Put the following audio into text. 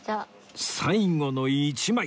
最後の１枚！